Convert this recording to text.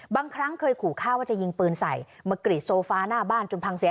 ครั้งเคยขู่ฆ่าว่าจะยิงปืนใส่มากรีดโซฟาหน้าบ้านจนพังเสีย